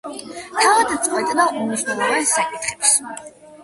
თავად წყვეტდა უმნიშვნელოვანეს საკითხებს.